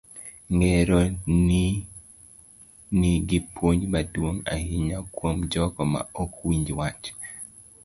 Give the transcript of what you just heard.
Ngero ni nigi puonj maduong' ahinya kuom jogo ma ok winj wach.